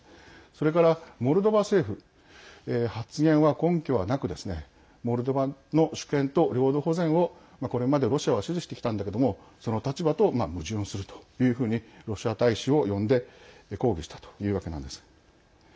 それから、モルドバ政府発言は根拠はなくモルドバの主権と領土保全をこれまで、ロシアは支持してきたんだけどもその立場と矛盾するというふうにロシア大使を呼んで抗議したというわけなんです。